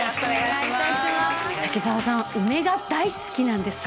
滝沢さん梅が大好きなんですか？